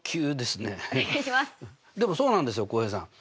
でもそうなんですよ浩平さん。